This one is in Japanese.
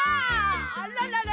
あららら？